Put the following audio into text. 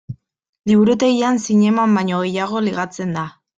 Liburutegian zineman baino gehiago ligatzen da.